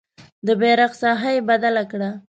د بیرغ ساحه یې بدله کړه.